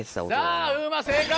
さぁ風磨正解！